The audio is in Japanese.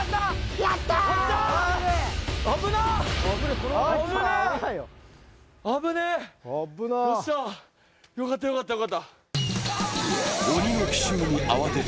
よっしゃ、よかった、よかった。